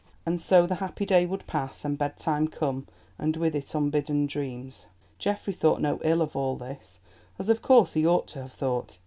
And so the happy day would pass and bed time come, and with it unbidden dreams. Geoffrey thought no ill of all this, as of course he ought to have thought.